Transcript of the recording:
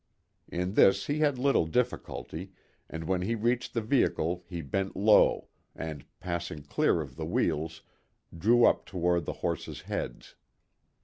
In this he had little difficulty, and when he reached the vehicle he bent low, and, passing clear of the wheels, drew up toward the horses' heads.